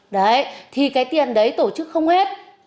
đấy thì cái tiền đấy tổ chức không hết